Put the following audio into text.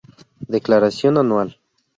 Declaración anual.